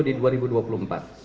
di dua ribu dua puluh empat